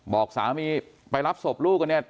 บอกสามีไปรับศพลูกกันเนี่ย